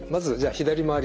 左回り。